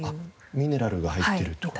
ミネラルが入ってるとかかな？